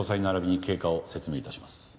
ならびに経過を説明いたします。